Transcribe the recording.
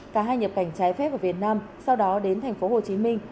cả hai nhập cảnh trái phép vào việt nam sau đó đến thành phố hồ chí minh